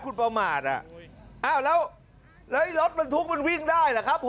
แล้วรถทุกข์มันวิ่งได้ละครับ